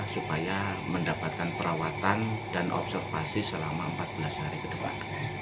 supaya mendapatkan perawatan dan observasi selama empat belas hari ke depan